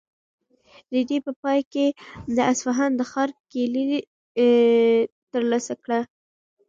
رېدي په پای کې د اصفهان د ښار کیلي ترلاسه کړه.